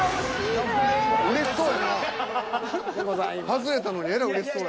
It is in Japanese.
外れたのにえらいうれしそうや。